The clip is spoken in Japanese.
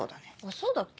そうだっけ？